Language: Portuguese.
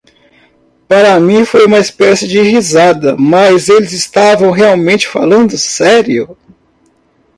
Para mim foi uma espécie de risada, mas eles estavam realmente falando sério.